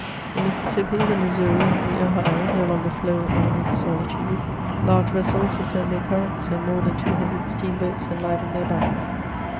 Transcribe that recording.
Ine Mississippi, the Missouri, and the Ohio, no longer flow on in solitude ; large vessels ascend their currents, aud more than 200 steam boats enliven their banks.